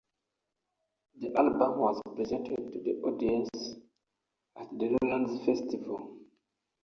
The album was presented to the audience at the Lowlands festival.